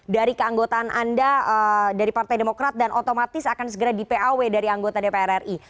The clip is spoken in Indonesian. dari keanggotaan anda dari partai demokrat dan otomatis akan segera di paw dari anggota dpr ri